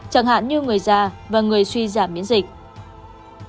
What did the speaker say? chẳng hạn như người già và người suy giảm miễn dịch